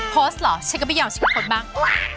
โพสต์เหรอฉันก็ไม่ยอมชิคกี้พรบ้าง